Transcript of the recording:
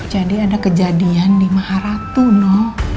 jadi ada kejadian di maharatu no